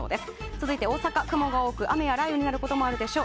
続いて大阪、雲が多く雨や雷雨になることもあるでしょう。